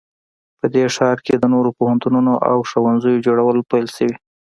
په دې ښار کې د نوو پوهنتونونو او ښوونځیو جوړول پیل شوي